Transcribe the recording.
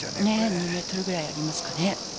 ２メートルぐらいありますかね。